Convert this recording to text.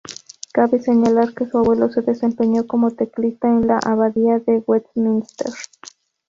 Cabe señalar que su abuelo se desempeñó como teclista en la Abadía de Westminster.